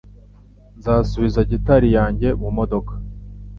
Nzasubiza gitari yanjye mumodoka.